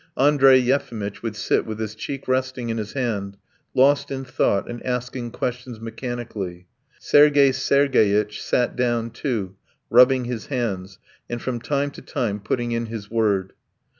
Andrey Yefimitch would sit with his cheek resting in his hand, lost in thought and asking questions mechanically. Sergey Sergeyitch sat down too, rubbing his hands, and from time to time putting in his word.